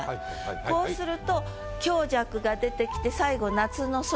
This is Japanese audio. こうすると強弱が出てきて最後「夏の空」